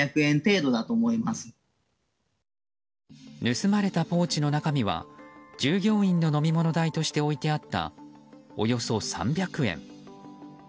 盗まれたポーチの中身は従業員の飲み物代として置いてあったおよそ３００円。